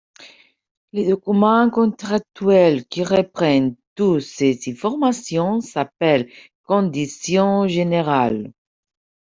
Le document contractuel qui reprend toutes ces informations s’appelle conditions générales.